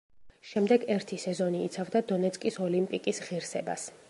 შემდეგ ერთი სეზონი იცავდა დონეცკის „ოლიმპიკის“ ღირსებას.